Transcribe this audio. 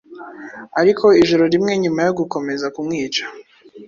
Ariko ijoro rimwe nyuma yo gukomeza kumwica